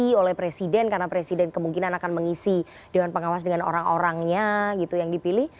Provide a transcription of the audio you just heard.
diisi oleh presiden karena presiden kemungkinan akan mengisi dewan pengawas dengan orang orangnya gitu yang dipilih